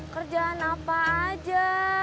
kerjaan apa aja